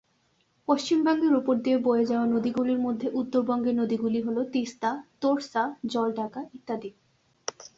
পশ্চিমবঙ্গের উপর দিয়ে বয়ে যাওয়া নদীগুলির মধ্যে উত্তরবঙ্গের নদীগুলি হল তিস্তা, তোর্সা, জলডাকা ইত্যাদি।